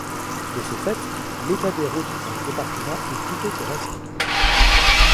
De ce fait, l'état des routes dans le département est plutôt correct.